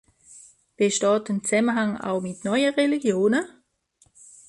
Besteht ein Zusammenhang auch mit neuen Religionen?